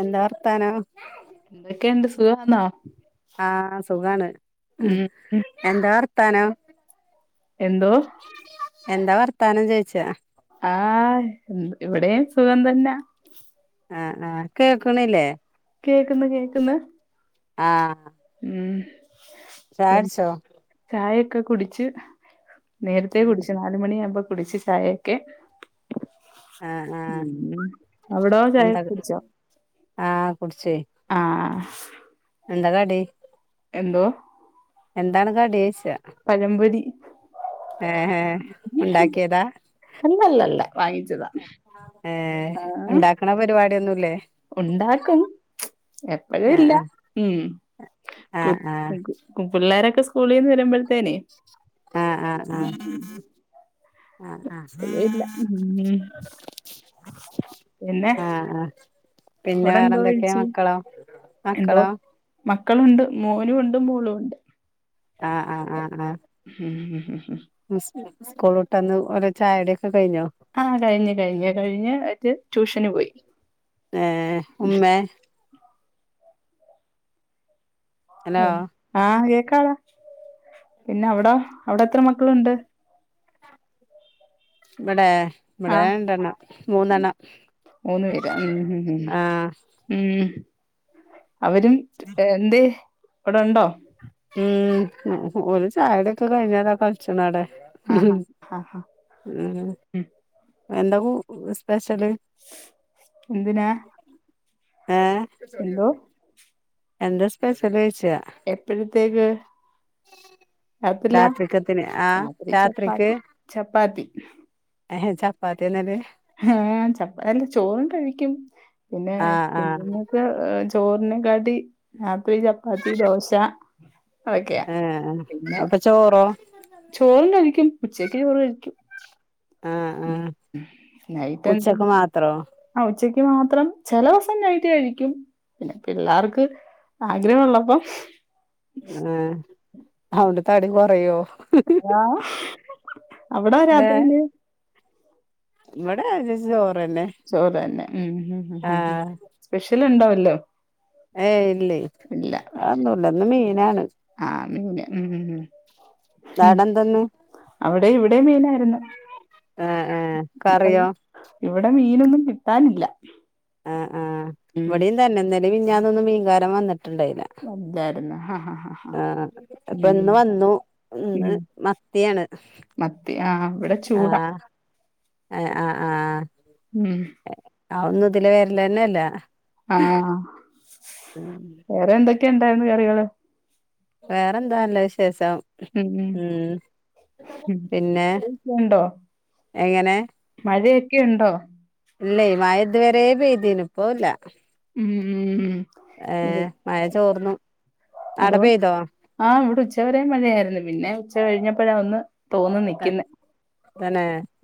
എന്താ വർത്താനം എന്തൊക്കെയുണ്ട് സുഖാന്നോ ആഹ് സുഖാണ് ഉം ഉം എന്താ വർത്താനം എന്തോ എന്താ വർത്താനം ചോയിച്ചയാ ആഹ് ഇവിടെയും സുഖം തന്നാ ആഹ ആഹ കേൾക്കണില്ലേ കേക്ക്ന്ന് കേക്ക്ന്ന് ആഹ് ഉം പി ചായുടിച്ചോ ചായൊക്കെ കുടിച്ച് നേരത്തേ കുടിച്ച് നാലുമണി ആകുമ്പോ കുടിച്ച് ചായൊക്കെ ആഹ് ആഹ് ഉം അവിടോ ചായൊക്കെ കുടിച്ചോ ആഹ കുടിച്ച് ആഹ എന്താ കടി എന്തോ എന്താണ് കടിയോയ്ച്ചാ പനമ്പൊരി ഏ ഉണ്ടാക്കിയതാ അല്ലല്ലല്ല വാങ്ങിച്ചതാ ആഹ് ണ പരിപാടിയൊന്നുംല്ലേ ഉണ്ടാക്കും എപ്പഴും ഇല്ല ആഹ് ഉം കു ആഹ് ആഹ് കു പിള്ളോരൊക്കെ സ്കൂളീന്ന് വരുമ്പോഴത്തേനെ ആ ആ ആ ഉം ഇല്ല ഉം പിന്നെ ആ ആ പിന്നെ അവിടെ എന്തോ വേറെന്തൊക്കെയാ കഴിച്ച് മക്കളോ എന്തോ മക്കളോ മക്കളുണ്ട് മോനു ഉണ്ട് മോളും ഉണ്ട്. ആഹ് ആഹ് ആഹ് ആഹ ഉം ഹ് ഹ് ഹ് സ് സ്കൂൾ ഇട്ട്ന്ന് ഓരെ ചായുടിയൊക്കെ കഴിഞ്ഞോ ആഹ കഴിഞ്ഞ് കഴിഞ്ഞു കഴിഞ്ഞ് അത് ട്യൂഷന് പോയി ഏ ഏ ഹ് ഉമ്മേ? ഹലോ ആഹ് കേക്കാളാ പിന്നെ അവിടോ അവിടെ എത്ര മക്കളുണ്ട് ഇവിടെ ഇവിടെ ആഹ് രണ്ടെണ്ണം മൂന്നെണ്ണം മൂന്ന് പേര് ഉം ഉം ഉം ആഹ ഉം അവരും ഏ എന്തേ ഇവടുണ്ടോ ഉം ഒരു ചായടൊക്കെ കഴിഞ്ഞതാ. കുറച്ചണട. ആഹാ ആഹാ ഉം എന്താ കൂ സ്പെഷല് എന്തിനാ ഏ എന്തോ എന്താ സ്പേസല്ല ചോിച്ചയാ എപ്പഴത്തേക്ക് രാത്രിലാ രാത്രിക്കത്തിന് ആ രാത്രി രാത്രിക്ക് ചപ്പാത്തി ചപ്പാത്തി ഏഹ് ഹെ ചപ്പാത്ത്യന്നെലേ ഏഹ് ചപ്പ അല്ല ചോറും കഴിക്കും പിന്നെ ആ ആ കുഞ്ഞുങ്ങ ഇപ്പ ചോറിനെക്കാട്ടി രാത്രി ചപ്പാത്തി ദോശ അതൊക്കെയാ. ആഹ് പിന്നെ അപ്പോ ചോറോ ചോറും കഴിക്കും ഉച്ചയ്ക്ക് ചോറ് കഴിക്കും ആഹ് ആഹ് നൈറ്റാന്താടീ അ ഉച്ചക്ക് മാത്രം ചെലോസം നൈറ്റ്‌ കഴിക്കും പിന്നെ പിള്ളാർക്ക് ആഗ്രഹള്ളപ്പം ആ അതോണ്ട് തടി കൊറയോ ആഹ് അവിടാ ഏ രാത്രിയില് ഇവിടെ രാവിലച്ച ചോറെന്നെ ചോറ് തന്നെ ഉം ഉം സ്പെഷ്യൽ ഉണ്ടാവല്ലോ ഏയ് ഇല്ലേ ആ ഒന്നുല്ല ഇന്ന് മീനാണ് ആഹ് മ് ഉം ഹും ഹും ശാടെന്തന്ന് അവിടേം ഇവിടേം മീനായിരുന്നു ആ ആ ഇവിടെ കറിയോ ഇവിടെ മീനൊന്നും കിട്ടാനില്ല ആഹ് ആഹ് ഉം ഇവിടെയും തന്നെ ഇന്നലേം മിഞ്ഞാന്നൊന്നും മീൻകാരം വന്നിട്ട് ണ്ടായില്ല കെടന്ന് ഹ ഹ ഹ ഹ ആഹ് അപ്പൊ ഇന്ന് വന്നു ഇന്ന് മത്തിയാണ് ആഹ ഇവിടെ ചൂട എ ആഹ് ആ ഉംമ്മ് എ അഒന്നും ഇതില വരലെന്നെ ഇല്ല ആഹ് വേറെ എന്തൊക്കെ ണ്ടായിരുന്നു കറികള് വേറെന്താ നല്ല വിശേശം ഉം പിന്നെ വുണ്ടോ എങ്ങനെ ഉണ്ടോ ഇല്ലയ് മഴ ഇതുവരെ പെയ്തീനു പ്പോ ഇല്ല ഉം ഉം ഉം. ഏ ഇവി മയ ചോർന്നു അടേ പെയ്തോ ആഹ് ഇവിടെ ഉച്ചവരെ മഴയായിരുന്നു പിന്നെ ഉച്ച കഴിഞ്ഞപ്പോഴാ ഒന്ന് തോന്ന് നിക്കിന്നേ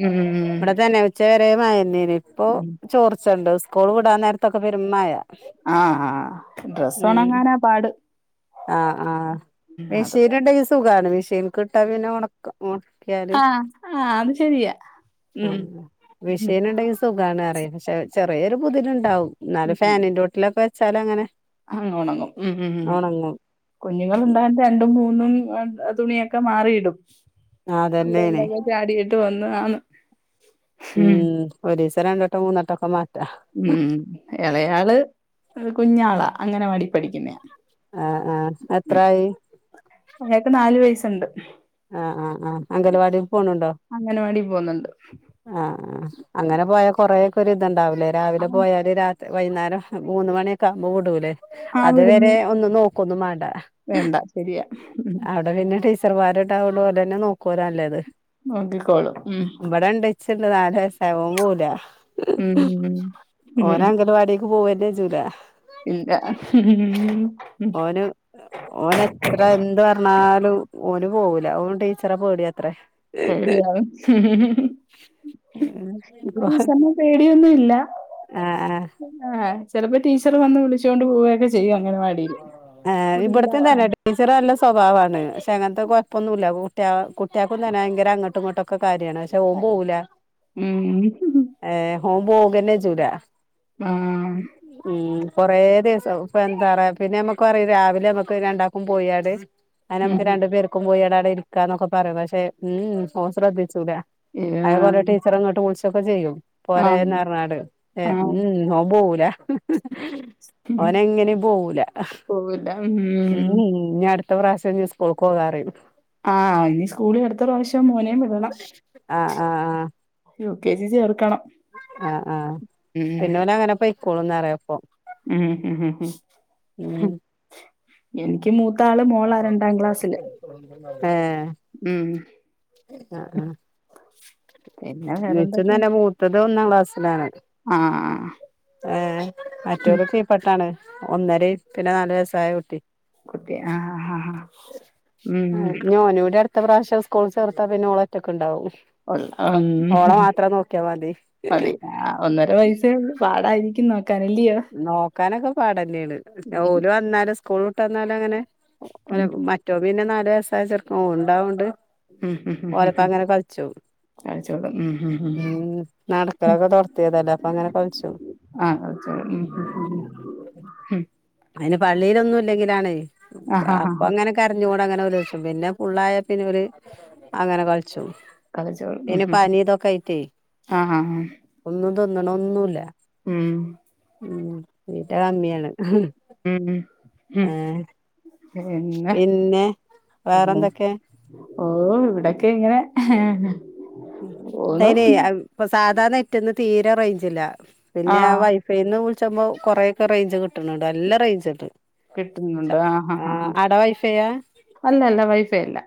മ് ഇവടെ തന്നെ ഉച്ചവരെ മയെന്നെ യ്നി ഇപ്പോ ഉം. ചോർച്ചണ്ട് സ്കൂള് വിടാൻ നേരത്തൊക്കെ പെരുംമയ ആഹ് ആഹ് ഡ്രസ്സൊണങ്ങാനാ പാട് ആഹ് ആഹ് ഉം, അത് മെഷീന്ണ്ടങ്കി സുഖാണ് മെഷീന്ക്ക്ട്ടാ പിന്നെ ഒണക്ക ഒണക്കിയാല് ആഹ് അത് ശരിയാ അ ഉം ഉം മിഷീനുണ്ടെങ്കി സുഖാണ് റയ് പക്ഷെ ചെറിയൊരു പുതിലുണ്ടാവും ന്നാലും ഉം ഫാനിന്റോ ലപ്പൊ വെച്ചാലങ്ങനെ അങ്ങ് ഒണങ്ങും ഉം ഉം ഉം കുഞ്ഞുങ്ങള് ഉണ്ടായെന്റെ രണ്ടും മൂന്നും തുണിയൊക്കെ മാറിയിടും ആഹ് അവിടെ അതന്നെയാണ് എന്തൊക്കെ ചാടിട്ട് വന്നതാണ് ഉം ഒരീസം രണ്ടട്ടം മൂന്നട്ടൊക്കെ മാറ്റാ ഉംമ് എളയാള് കുഞ്ഞാളാ അങ്ങനെവാടി പഠിക്കുന്നേയാ ആ ആ അത്രായി എയാക്ക് നാലു വയസ്സുണ്ട് ആഹ് ആഹ് ആഹ് അംഗലവാടിക് പോണ് ണ്ടോ അംഗനവാടി പോകുന്നുണ്ട് ആഹ് ആഹ് അങ്ങനെ പോയാ കൊറെക്കെ ഒരു ഇതുണ്ടാവൂലേ രാവിലെ പോയാല് രാത് വൈന്നാരം അ മൂന്ന് മണിഒക്കെ അപ്പൊ വിടൂല്ലേ ആ വിടുന്നു അതുവരെ ഒന്നും നോക്കൊന്നും മാണ്ട ഹ് ഹ് വേണ്ട ശരിയാ അവിടെ പിന്നെ ടെ ചെറു വാരോട്ടാവോണ്ട് ഒരേന്നെ നോക്കുലോ അല്ലത് നോക്കിക്കോളും ഉം. ചിണ്ട് നാല് വയസ്സാ ഓം പോവുല ഉം ഉം ഓന് അംഗൻവാടി പോവന്നേജുക- ഇല്ലഹും ഹും ഹു ഓന്. ഓന് എത്ര എന്ത് പറനാലും ഓന് പോവൂല ഓന് ടീച്ചറെ പേടിയാത്രെ. പേടിയാണ്. ഇത് പീ ആഹ് സബ്ബംപേടിന്നും ഇല്ല. ആഹ് ആഹ് ചിലപ്പോ ടീച്ചർ വന്ന് വിളിചോണ്ട് പോവക്കെ ചെയ്യും അങ്ങനെ വാടി ആ ഇപട്ത്തെ തന്നെട്ട ടീച്ചറ് നല്ല സ്വഭാവാണ്. ക്ഷെ അങ്ങനത്തെ കുഴപ്പൊന്നുല്ല. കുട്ടിക കുട്ടികൾക്കും തന്നെ ഭയങ്കര അങ്ങട്ട് ഇങ്ങട്ടൊക്കെ കാര്യാണ്. ഓപോകുല ഏ ഓപോകേന്നെജൂല ആഹാ ഹും കൊറേ ദിവസം ഇപ്പഎന്താറെ പിന്നെ നമുക്കോറിം രാവിലെ നമുക്ക് രണ്ടാക്കും പോയാണ്ട് അന് നമുക്ക് രണ്ടുപേർ - - ക്കും പോയി അവിടെ ഇരിക്കാന്നൊക്കെ പറയും പക്ഷേ മൂം ഓൻ ശ്രദ്ധിച്ചൂല. അതേപോലെ ടീച്ചർ അങ്ങോട്ട് വിളിച്ചൊക്കെ ചെയ്യും. പോരെന്ന്റഞ്ഞാട് ഏ ഉം പോവൂല. ഓന് എങ്ങനിം പോവൂല പോവൂല്ല ഹൂം ഉും ഉം ഞി അടുത്ത പ്രാവശ്യം ഞി സ്കൂൾക് പോകാറിം. ആ ഇനി സ്കൂളിൽ അടുത്ത പ്രാവശ്യം മോനേം വിടണം. ആഹ് ആഹ് യു. കെ. ജി. ചേർക്കണം. ആ ആ പിന്നവൻ അങ്ങനെ പോയിക്കോളന്ന് പറയപ്പൊ. [unintelligible] എനിക്ക് മൂത്താ ആള് മോളാ രണ്ടാം ക്ലാസ്സില്. ഏഎഏ ഉും ആ അ പിന്നെ വേറെന്തൊക്കെയാ? [unintelligible] പത് ഒന്നാം ക്ലാസ്സിലാണ്. ആഹാ ഏ മറ്റൊരു കീപട്ടാണ് ഒന്നരിം പിന്നെ നാലു വയസ്സ് ആയ കുട്ടി കുട്ടി ആഹ് ആഹ്ഹ് ഉം മ് ഞിഓനുടെഅട്ത് അട്ത്ത പ്രാവശ്യം സ്കൂൾ ചേർത്താ പിന്നെ ഓള് ഒറ്റക്ക് ഉണ്ടാവും. ഒള്ള ഉം. ഓള മാത്രം നോക്കിയാ മതി ഹി ഹ് ഒന്നര വയസ്സേ ഉള്ളു പാടായിരിക്കുന്നോ കനല്ലിയോണ് നോക്കാനൊക്കെ പാടന്നെയാണ്. മ്മ്. ഓല് വന്നാലും സ്കൂൾ വിട്ട് വന്നാലും അങ്ങനെ ഓന് മ്മ്. മറ്റോം പിന്നെ നാല് വയസ്സായ ചെറുക്കൻ ഓന്ണ്ടായോണ്ട് ഓലപ്പം അങ്ങനെ കളിച്ചും. കളിച്ചോളും ഉം ഹും ഹും ഉം നടക്കലൊക്കെ തൊടത്തിയതല്ലേ അപ്പങ്ങനെ [unintelligible] ആഹ് [unintelligible] ഉം ഉം ഉം അയിന് പള്ളിലൊന്നും ഇല്ലെങ്കിലാണേ ആഹ് ഹാ ഹാ ഹാ അപ്പങ്ങനെ കരഞ്ഞ് കൂട അങ്ങനെ ഒലു വെച്ചും പിന്നെ പുള്ളായ പിന്നെ ഒരു അങ്ങനെ കളിച്ചും. കളിച്ചോളും ഉം പിന്നെ ഉം പനി ഇതൊക്കെയിറ്റേ ആഹ് ഹാ ഒന്നും തിന്ന്ണ ഒന്നും ല്ല. ഹും ഉമ്‌തിറ്റകമ്മിയാണ് ഉ ഉ മ് പിന്നെ പിന്നെ പിന്നെ വേറെന്തൊക്കെ ഓ ഇവിടക്കെ ഇങ്ങനെ ഉം പോന്നു ഐയില് ഇപ്പൊ സാധാ നെറ്റിന്ന് തീരെ റേയ്ഞ്ചില്ല പിന്നെ ആ ആഹ് വൈഫ് - പിന്ന് വിള്ച്ചപ്പോ കുറെക്കെ റേഞ്ച് കിട്ടണ് ണ്ട് നല്ല റേഞ്ച്ണ്ട്. കിട്ടുന്നോണ്ട് ആഹ് ആഹ് ഹാ വൈഫൈയാ അല്ല അല്ല വൈഫൈ അല്ല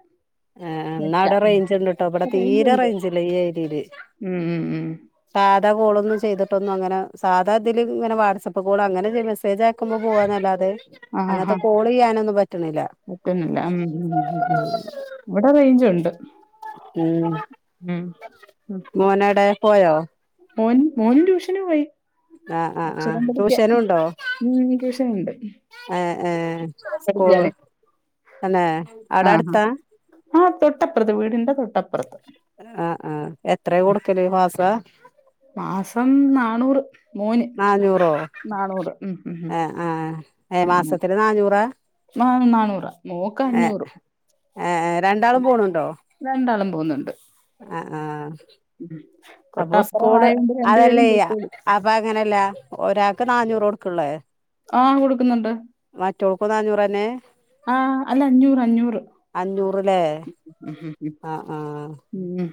ഏഹ് എന്നാ നെറ്റാ അവടെ ഉം. റേഞ്ച് ഇണ്ട് ട്ടോ ഇവടെ റേഞ്ച് തീരെ ഉണ്ട് റേഞ്ചില്ല ഈ ഏരില് ഉം ഉം ഉം സാധാ കോളൊന്നും ചെയ്തിട്ടൊന്നും അങ്ങനെ സാധാ ഇതില് ഇങ്ങനെ വാട്സപ്പ് കോള് അങ്ങനല്ലേ മെസ്സേജ് ക്കുമ്പോ പോവാന്നല്ലാതെ ആഹ് ഹാ ഹാ അങ്ങനത്തെ ഹാ കോള് ചെയ്യാനൊന്നും പറ്റണില്ല ഉം ഇവടെ റേഞ്ചോണ്ട് ഉം ഉം മോനെടെ പോയോ മോൻ മോൻ ട്യൂഷന് പോയി ആഹ് ആഹ് ആഹ് അക്ഷരം പഠിക്കാൻ ട്യൂഷനുണ്ടോ [unintelligible] ട്യൂഷനോണ്ട് ഏഹ് ഏഹ് സ്കൂൾ തന്നെ അവടടുത്താ? ആഹ് തൊട്ടപ്രത്ത് വീടിന്റെ തൊട്ടപ്രത്ത് ആഹ് ആ എത്രയാ കൊടുക്കല് മാസാ മാസം നാണൂറ് മോന് നാന്നൂറോ നാണൂറ് ഉം ഉം ഏഹ് ആഹ് ഏഹ് ഉം ഉം മാസത്തില് നാന്നൂറാ നാ നാന്നൂറ മോക്ക് അഞ്ഞൂറും ഏ രണ്ടാളും പോണൊണ്ടോ രണ്ടാളും പോവ്ന്നുണ്ട് അ ആഹ് മ്ഹും അപ്പൊ സ്കൂള് അതല്ല ചെയ്യ അപ്പൊ അങ്ങനല്ല ഒരാൾക്ക് നാണൂറ് കൊടുക്കൊള്ളേ ആ കൊടുക്കുന്നുണ്ട് മറ്റോക്കും നാണൂറ് തന്നെ ആഹ് അല്ല അഞ്ഞൂറ് അഞ്ഞൂറ് അഞ്ഞൂറ്ല്ലേ ഉം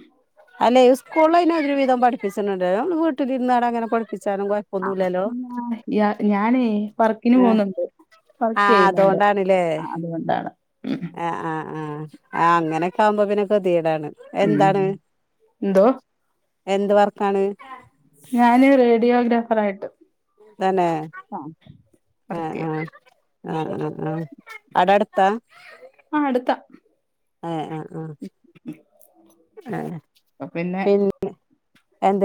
അല്ലേ ഏത് സ്കൂള് അയിന് ഒരു വിധം പഠിപ്പിച്ചേണ്ടേലോ വീട്ടിലിരുന്നൊരങ്ങനെ പഠിപ്പിച്ചാലും കൊഴ ആ ഞാനേ വർക്കിന് പോന്നുണ്ട് ആ അതോണ്ടാന്നില്ലേ അതുകൊണ്ടാണ് ഉം ആഹ് ആ ആ ആ അങ്ങനൊക്കെ ആവുമ്പോ പിന്നെ ഗതീടാണ് ഉം ന്തോ എന്ത് വർക്കാണ് ഞാന് റേഡിയോഗ്രഫർ ആയിട്ട് തന്നെ അങ്ങ് ആഹ് ആ ആഹ് ആ ആ അവിടടുത്താ ആ അടുത്താ ഏഹ് ആ ആഹ് ഉം ആ പിൻ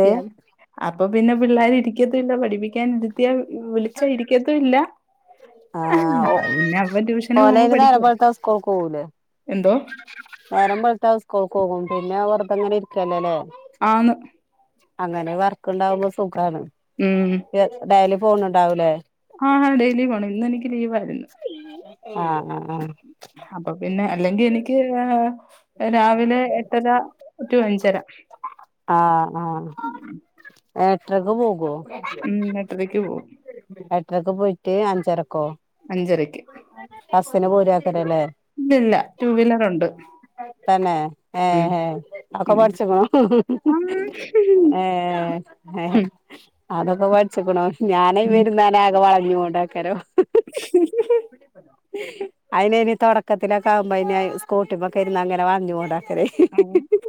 പാര് അപ്പ പിന്നെ പിള്ളാര് ഇരിക്കത്തൂല്ല പഠിപ്പിക്കാൻ ത്തിയ വിളിച്ച ഇരിക്കത്തുല്ല ആഹ് [unintelligible] ഓ അതുപിന്നെ അപ്പൊ ട്യൂഷന് പോകുമ്പോ ഓലയിന് നേരം പഠിക്കും എന്തോ വരുമ്പഴത്ത് സ്ക്കൂക് പോകും പിന്നെ വെറുതെങ്ങനെ ഇരിക്കല്ലലേ ആന്ന് അങ്ങനെ വർക്ക് ഉണ്ടാകുമ്പോ സുഖാണ് ഉം ഡൈലി പോണ് ണ്ടാവൂലേ ആഹ് ഡെയിലി പോണം ഇന്നെനിക്ക് ലീവായിരുന്നു ആഹ് ആ ആഹ് അപ്പം പിന്നെ അല്ലെങ്കി എനിക്ക് ആ രാവിലെ എട്ടര റ്റു അഞ്ചര ആഹ് ആഹ് എട്ടരക്കു പോകു ഉം എട്ടരക്ക് പോകും എട്ടരക്ക് പോയിട്ട് അഞ്ചരക്കോ അഞ്ചരെക്ക് ബസിന് പോരാക്കലല്ലേ ഇല്ലില്ല ടൂവീലറാണ്ട് തന്നെ ആഹ് ആഹ് അക്കെ ഉം പഠിച്ചക്കണു ഏഹ് ആഹ് അതൊക്കെ പഠിച്ചക്കണോ ഞാന് വരുന്നാനാകെ വളഞ്ഞണ്ടാക്കാരോ [inaudible] [inaudible] അയിനിനി തുടക്കത്തിലൊക്കെ ആകുമ്പോ ഇനി സ്കൂട്ടിമ്മേ കേറി അങ്ങനെ വളഞ്ഞോടയക്കല് [unintelligible]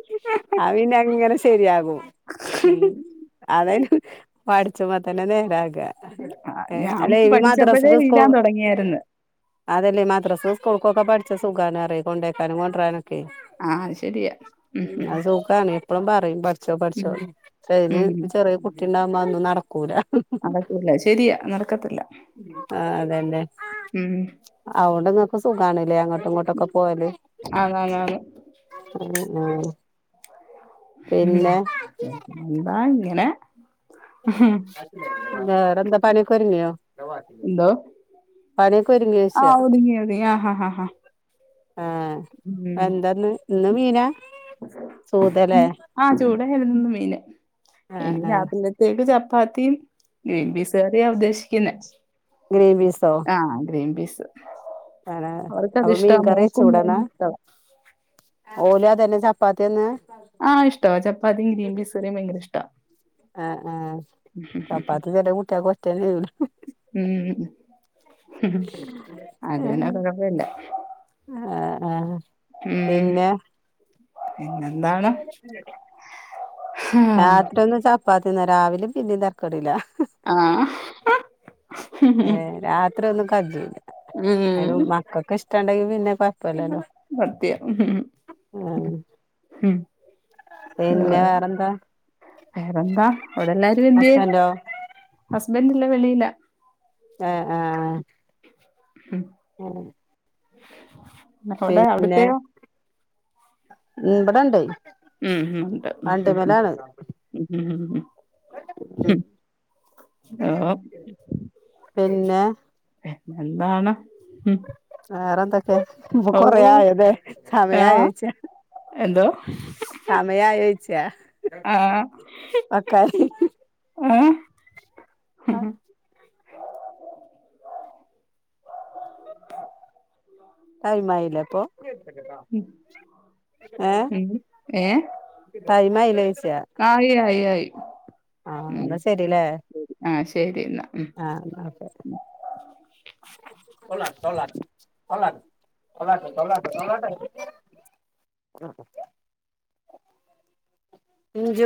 അത് പീന്നെങ്ങനെ ശരിയാകും ഉം അതെനിക്ക് പഠിച്ചപ്പതന്നേ നേരാക്ക ആ ഏഹ് അല്ലേ ഈ മദ്രസക്ക് സ്ക്കു ങ്ങായിരുന്നു. അതല്ലേ മദ്രസെ, സ്കൂള്കൊക്ക പഠിച്ച സുഖാണെ ആരെ കൊണ്ടക്കാനും കൊണ്ടുരാനൊക്കെ ആ ശരിയാ ഉം അഹ് സുഖാണ്. പ്പളും പറയും പഠിച്ചോ ഉം പഠിച്ചോന് ചെറിയ ഉം ചെറിയട്ടിണ്ടാകുമ്പോ അതന്നും നടക്കൂല. നടക്കില്ല ശരിയാ നടക്കത്തില്ല ആ അതന്നെ ഉം അതൊണ്ട് ഇങ്ങക്ക് സുഖാണല്ലേ അങ്ങോട്ടും ഇങ്ങോട്ടൊക്കെ പോയല്. ആന്നാന്ന് ആന്ന് ഉം ഉം പിന്നെ ഉം എന്താ ഇങ്ങനെ വെറന്ത പണിയെക്കെ ഒരുങ്ങിയോ? എന്തോ പണിയൊക്കെ ഒരുങ്ങിയോച്ച ആ ഒതുങ്ങി ഒതുങ്ങി ആ ഹാ ഹാ ഹാ ആഹ് എന്താന്ന് ഇന്ന് മീനാ സൂതലേ ആഹ്‌, ചൂടായിരുന്ന്ന് വെയില്. ആ ഇനി ആ രാത്രി ഇനിക്ക് ചപ്പാത്തിയും ഗ്രീൻപീസ് കറിയ ഉദ്ദേശിക്കുന്ന ഗ്രീൻപീസോ ആഹ് ഗ്രീൻപീസ് വേറ അപ്പൊ മീൻ കറിവച്ചുടന്നാ. ഇഷ്ടവാ ഓല തന്നേ ചപ്പാത്തി തന്നേ ആഹ് ഇഷ്ട ചപ്പാത്തി ഗ്രീൻപ്പിസുകറി ഭയങ്കരിഷ്ട ആഹ് ആഹ് ചപ്പാത്തി ചെല കുട്ടിയക്ക് പറ്റല്ല ഉം അത്ന്നെ കുഴപ്പില്ല ആഹ് ആഹ് ഉം പിന്നെ പിന്നെന്താണ്? രാത്രി ഒന്നും ചപ്പാത്തില്ല രാവിലെ പിന്നേം തരക്കടില്ല ആ ആഹ് ഏഹ് രാത്രി ഒന്നും കജജുല്ല അതിന് ഉമ്മാക്കൊക്കെ ഇഷ്ടുണ്ടെങ്കിൽ പിന്നെപ്പ വത്തയ [inaudible] ഉം ആഹ് ഉം. പിന്നെ ആഹ് വേറെന്താ വേറെന്താ അവിടെല്ലാരും എന്തിയേ ഹസ്ബന്റോ ഹസ്ബൻഡ് ഇല്ല വെളിയില്ല. ആഹ് ആഹ് ഉം [inaudible] പിന്ന അവിടത്തെയോ ഇവിടണ്ട് ഉം ഉം ഉം [unintelligible] ഓ പിന്നെ. പിന്നെ എന്താണ് ഇമ് വേറൊെന്തക്കെ കൊറേയായില്ലേ. ആ സമയായോയ്ച്ചാ എന്തോ സമയആയോ ചോയിച്ചാ. ആ ആ ഇമ് ടൈമായി ലെപ്പൊ? ഉം ഏ ഉം ഏ ടൈമായി ലെ ചോയ്ച്ചാ? ആയി ആയി ആയി ഉ എന്നാ ശരില്ലേ ആ ശരി ന്നാ. ആ ഓക്കേ [unintelligible] ഇജ്ജത്